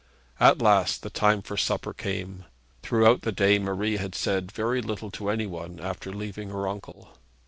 At last the time for supper came. Throughout the day Marie had said very little to any one after leaving her uncle.